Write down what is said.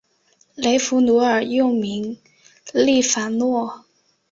雷佛奴尔又名利凡诺。